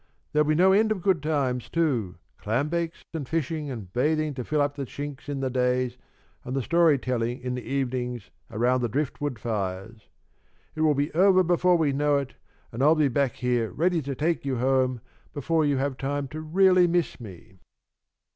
There'll be no end of good times, too: clambakes and fishing and bathing to fill up the chinks in the days, and the story telling in the evenings around the driftwood fires. It will be over before we know it, and I'll be back here ready to take you home before you have time to really miss me."